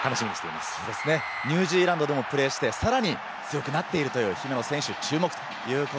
ニュージーランドでもプレーして、さらに強くなっている姫野選手に注目です。